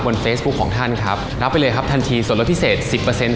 เฟซบุ๊คของท่านครับรับไปเลยครับทันทีส่วนลดพิเศษสิบเปอร์เซ็น